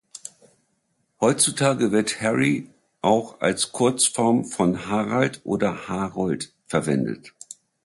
Heutzutage wird Harry auch als Kurzform von Harald oder Harold verwendet.